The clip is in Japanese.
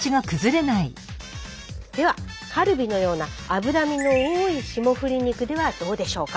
ではカルビのような脂身の多い霜降り肉ではどうでしょうか？